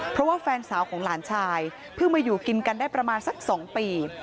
เพราะว่าแฟนสาวของหลานชายเพิ่งมาอยู่กินกันได้ประมาณสัก๒ปี